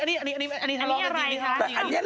อันนี้ทะเลาะกันจริง